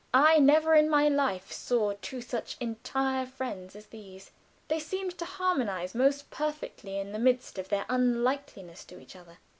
I never in my life saw two such entire friends as these; they seemed to harmonize most perfectly in the midst of their unlikeness to each other.